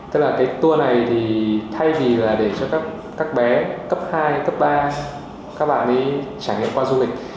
tức là cái tour này thì thay vì là để cho các bé cấp hai cấp ba các bạn đi trải nghiệm qua du lịch